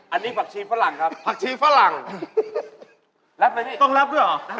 อันนี้ปลาขีฝรั่งครับ